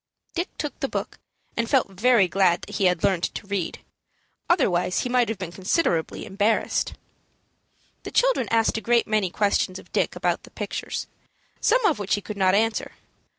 Dick took the book, and felt very glad that he had learned to read. Otherwise he might have been considerably embarrassed. The children asked a great many questions of Dick about the pictures, some of which he could not answer.